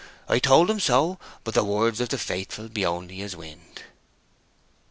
I told him so; but the words of the faithful be only as wind!"